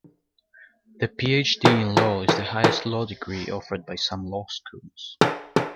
The Ph.D. in law is the highest law degree offered by some law schools.